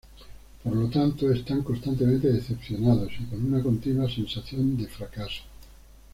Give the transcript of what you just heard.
Por lo tanto, están constantemente decepcionados y con una continua sensación de fracaso.